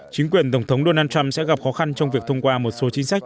chính quyền tổng thống donald trump sẽ gặp khó khăn trong việc thông qua một số chính sách